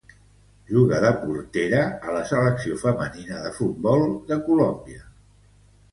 Juga de portera a la Selecció femenina de futbol de Colòmbia.